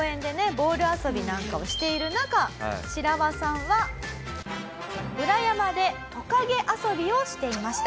ボール遊びなんかをしている中シラワさんは裏山でトカゲ遊びをしていました。